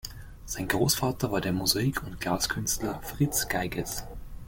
Sein Großvater war der Mosaik- und Glaskünstler Fritz Geiges.